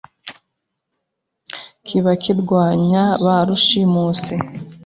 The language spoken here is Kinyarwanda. kiba kirwanya ba rushimusi